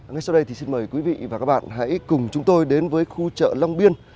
ngay sau đây thì xin mời quý vị và các bạn hãy cùng chúng tôi đến với khu chợ long biên